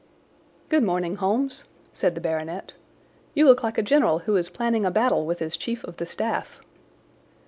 "Good morning, Holmes," said the baronet. "You look like a general who is planning a battle with his chief of the staff."